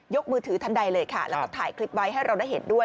มือถือทันใดเลยค่ะแล้วก็ถ่ายคลิปไว้ให้เราได้เห็นด้วย